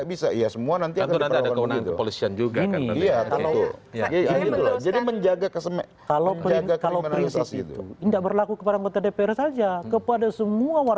kita tetapan mata